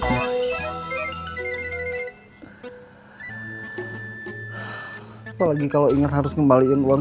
apalagi kalau ingat harus ngembaliin uang